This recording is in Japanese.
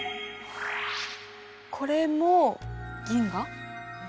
これも銀河？